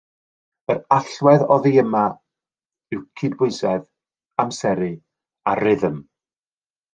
Yr allwedd oddi yma yw cydbwysedd, amseru a rhythm